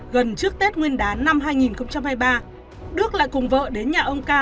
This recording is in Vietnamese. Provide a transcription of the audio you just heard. gần trước tết nguyên đán năm hai nghìn hai mươi ba đức lại cùng vợ đến nhà ông ca